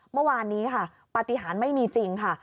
เมื่อวานนี้ค่ะปฏิหารไม่มีจริงค่ะ